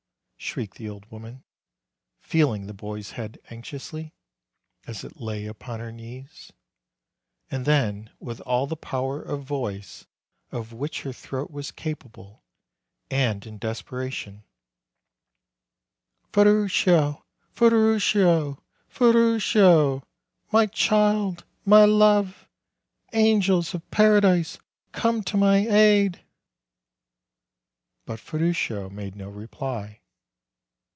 shrieked the old woman, feeling the boy's head anxiously, as it lay upon her knees; and then with all the power of voice of which her throat was capable, and in desperation: "Ferruccio! Ferruccio! Fer ruccio! My child! My love! Angels of Paradise, come to my aid !" But Ferruccio made no reply.